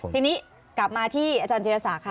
ทีนี้กลับมาที่อาจารย์จิรษาค่ะ